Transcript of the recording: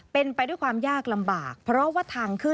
เป็นไปด้วยความยากลำบาก